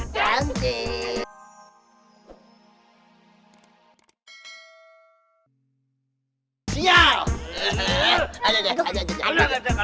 kamu yang pengejam